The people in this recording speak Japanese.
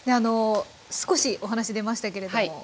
少しお話出ましたけれども。